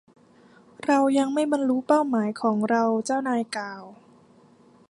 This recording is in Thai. เรายังไม่บรรลุเป้าหมายของเราเจ้านายกล่าว